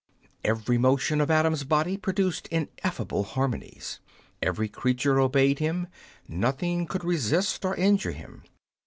Every motion of Adam's body produced ineffable harmonies. Every creature obeyed him ; nothing could resist or injure him.